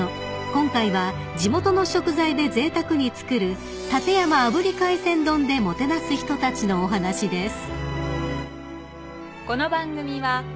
［今回は地元の食材でぜいたくに作る館山炙り海鮮丼でもてなす人たちのお話です］